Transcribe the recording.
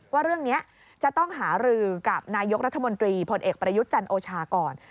ว่าเรื่องนี้จะต้องหารือกับนายกรัฐมนตรีพลเอกประยุทธ์จันโอชาก่อน